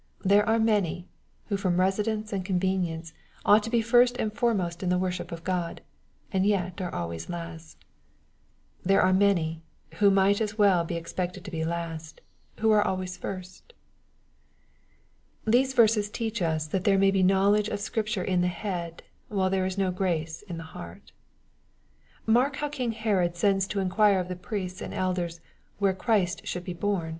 There are many, who from residence and convenience ought to be first and foremost in the worship of God, and yet are always last. There are many, who might well be ex pected to be last, who are always first. These verses teach us, that there may be knowledge of Scripture in the heady while there is no grace in the heart, Mark how king Herod sends to inquire of the priests and elders "where Christ should be bom."